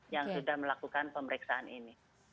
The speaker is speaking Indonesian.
yang sudah melakukan pemeriksaan ini